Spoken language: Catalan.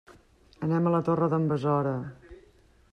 Anem a la Torre d'en Besora.